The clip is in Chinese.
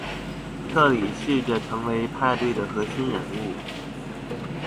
特里试着成为派对的核心人物。